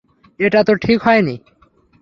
এটা তো ঠিক হয়নি!